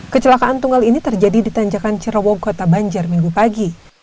kecelakaan tunggal ini terjadi di tanjakan cerowo kota banjar minggu pagi